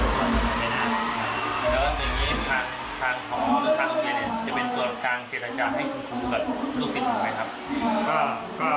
แล้วก็เป็นอย่างงี้ทางหอหรือทางอุเวียนจะเป็นตัวประกันเจรจาให้คุณภูมิกับลูกศิษย์ของใครครับ